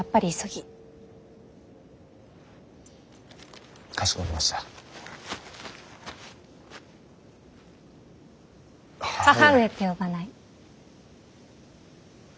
義母上って呼ばない。